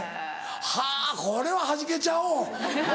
はぁこれははじけちゃおう！